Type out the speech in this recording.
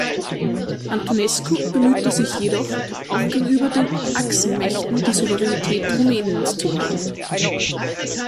Antonescu bemühte sich jedoch, auch gegenüber den Achsenmächten die Souveränität Rumäniens zu wahren.